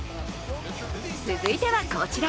続いては、こちら。